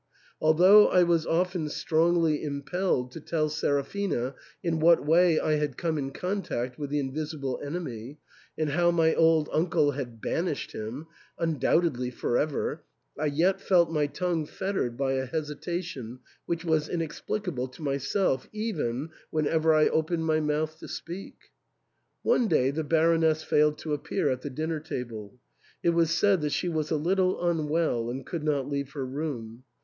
Although I was often strongly impelled to tell Seraphina in what way I had come in contact with the invisible enemy, and how my old uncle had banished him, undoubtedly for ever, I yet felt my tongue fettered by a hesitation which was inexplicable to myself even, whenever I opened my mouth to speak. One day the Baroness failed to appear at the dinner table ; it was said that she was a little unwell, and could not leave her room.